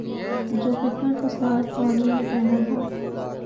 جو فتنہ اورفسادوالوں نے کرنا تھا۔